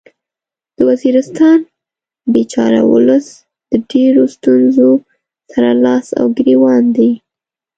د وزیرستان بیچاره ولس د ډیرو ستونځو سره لاس او ګریوان دی